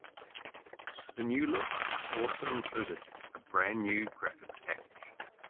The new look also included a brand-new graphics package.